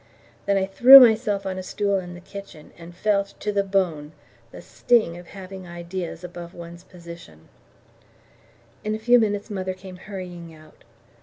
Then I threw myself on a stool in the kitchen, and felt, to the bone, the sting of having ideas above one's position. In a few minutes mother came hurrying out.